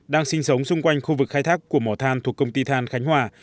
đang sinh sống xung quanh khu vực khai thác của mỏ than thuộc công ty than khánh hòa